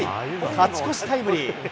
勝ち越しタイムリー。